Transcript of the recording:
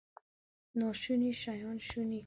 ناشوني شیان شوني کوي.